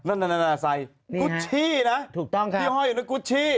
นั่นใส่กุธชี่นะพี่ห้อยอยู่ในกุธชี่